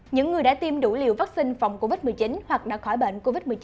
những người đã tiêm đủ liều vaccine phòng covid một mươi chín hoặc đã khỏi bệnh covid một mươi chín